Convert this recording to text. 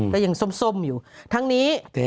ก็ยังส้มอยู่ทั้งนี้